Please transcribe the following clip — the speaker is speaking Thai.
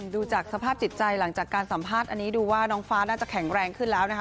ดูจากสภาพจิตใจหลังจากการสัมภาษณ์อันนี้ดูว่าน้องฟ้าน่าจะแข็งแรงขึ้นแล้วนะคะ